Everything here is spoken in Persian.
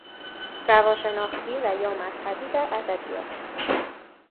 روانشناختی و یا مذهبی در ادبیات